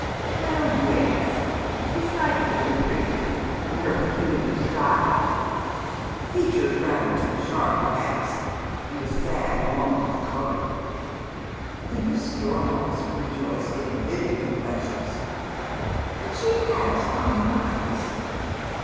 " Well, yes, decidedly jjnjtty — in her peculiar style, FcatTirea rather too sharp, perhaps, and a sad want of colour." The Misa StonnontB rejoice in vivid complexions. " But she has lino eyes."